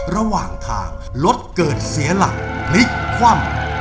ระหว่างทางรถเกิดเสียหลักพลิกคว่ำ